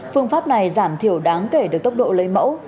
phương pháp này giảm thiểu đáng kể được tốc độ lấy mẫu